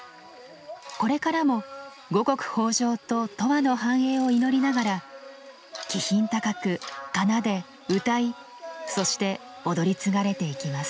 これからも五穀豊穣と永久の繁栄を祈りながら気品高く奏でうたいそして踊り継がれていきます。